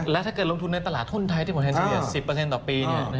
และถ้าเกิดลงทุนในตลาดทุนไทยที่ผมเห็นเฉลี่ย๑๐ต่อปี